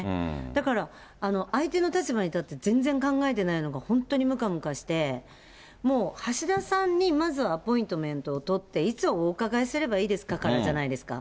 だから、相手の立場に立って全然考えてないのが本当にむかむかして、もう、橋田さんにまずアポイントメントを取って、いつお伺いすればいいですかじゃないですか。